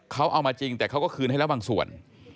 เขาเอามาจริงแต่เขาก็คืนให้แล้วบางส่วน